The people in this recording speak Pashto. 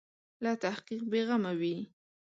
له تحقیق بې غمه وي.